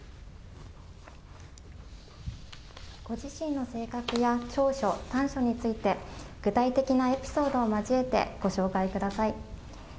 ご自身の性格や長所、短所について、具体的なエピソードを交えて、ご紹介ください。